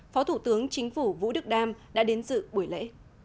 phó thủ tướng chính phủ vũ đức đam đã đến dự buổi lễ